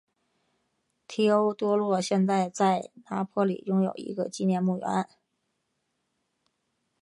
提欧多洛现在在拿坡里拥有一个纪念墓园。